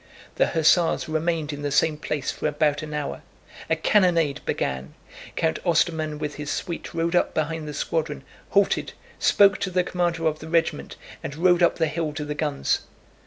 The hussars remained in the same place for about an hour. A cannonade began. Count Ostermann with his suite rode up behind the squadron, halted, spoke to the commander of the regiment, and rode up the hill to the guns.